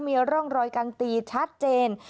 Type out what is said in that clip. มีร่องรอยการตีชัดเจน